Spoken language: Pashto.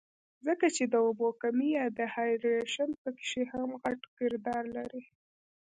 ځکه چې د اوبو کمے يا ډي هائيډرېشن پکښې هم غټ کردار لري